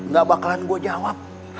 gak bakalan gue jawab